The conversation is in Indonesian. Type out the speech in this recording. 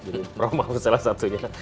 jadi mohon maaf salah satunya